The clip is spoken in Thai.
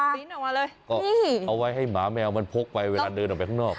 อัพวินาทิสเอาไว้ให้หมาแมวมันโทรไปเวลาเดินออกไปข้างนอก